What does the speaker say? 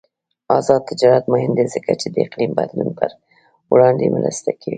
آزاد تجارت مهم دی ځکه چې د اقلیم بدلون پر وړاندې مرسته کوي.